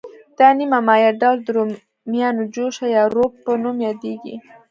دا نیم مایع ډول د رومیانو جوشه یا روب په نوم یادیږي.